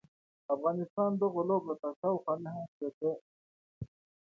افغانستان دغو لوبو ته شاوخوا نهه شپیته ل